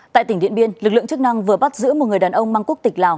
tại tỉnh điện biên lực lượng chức năng vừa bắt giữ một người đàn ông mang quốc tịch lào